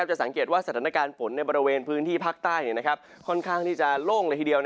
จะสังเกตว่าสถานการณ์ฝนในบริเวณพื้นที่ภาคใต้ค่อนข้างที่จะโล่งเลยทีเดียว